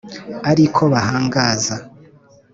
. Ari ko bahangaza.